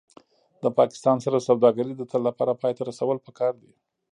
د پاکستان سره سوداګري د تل لپاره پای ته رسول پکار دي